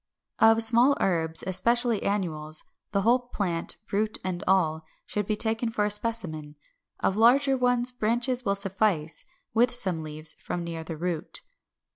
561. Of small herbs, especially annuals, the whole plant, root and all, should be taken for a specimen. Of larger ones branches will suffice, with some leaves from near the root.